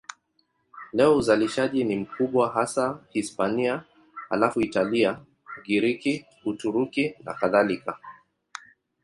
Leo uzalishaji ni mkubwa hasa Hispania, halafu Italia, Ugiriki, Uturuki nakadhalika.